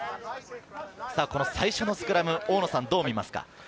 最初のスクラム、どう見ますか？